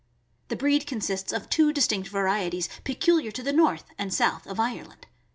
The breed consists of two distinct varieties, peculiar to the north and south of Ireland.